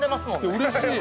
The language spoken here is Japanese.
◆うれしい！